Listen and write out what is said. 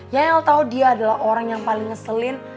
ya el tau dia adalah orang yang paling ngeselin